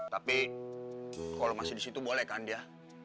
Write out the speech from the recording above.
tapi kalau masih di situ boleh kan dia